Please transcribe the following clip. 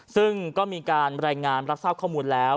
ซึ่งก็มีการรายงานรับทราบข้อมูลแล้ว